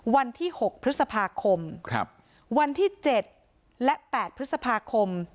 วันที่หกพฤษภาคมครับวันที่เจ็ดและแปดพฤษภาคม